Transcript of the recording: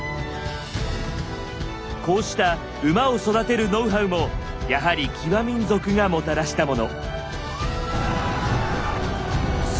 こうした馬を育てるノウハウもやはり騎馬民族がもたらしたもの。